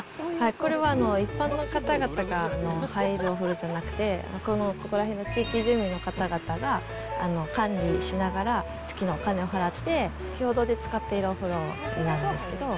これは一般の方々が入るお風呂じゃなくて、ここら辺の地域住民の方々が、管理しながら月にお金を払って共同で使っているお風呂になるんですけど。